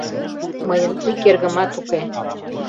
Мыйын ик эргымат уке.